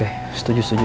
oh habiskan buburnya